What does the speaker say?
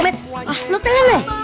met lo tengah gak